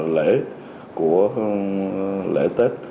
lễ của lễ tết